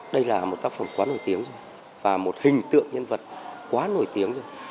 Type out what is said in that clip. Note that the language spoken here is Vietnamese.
đây là một tác phẩm quá nổi tiếng rồi và một hình tượng nhân vật quá nổi tiếng rồi